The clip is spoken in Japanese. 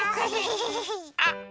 あっ！